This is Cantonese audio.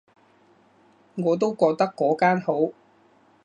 我都覺得嗰間好